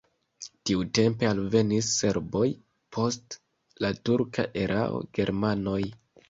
Tiutempe alvenis serboj, post la turka erao germanoj.